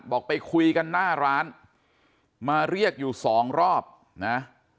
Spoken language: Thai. ไปคุยกันหน้าร้านมาเรียกอยู่สองรอบนะ